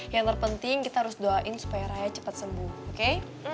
yang terpenting kita harus doain supaya raya cepat sembuh oke